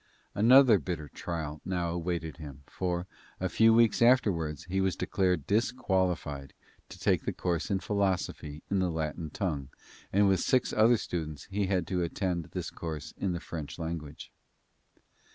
Another bitter trial now awaited him, for, a few weeks afterwards, he was declared disqualified to take the course in philosophy in the Latin tongue, and with six other students he had to attend this course in the French language.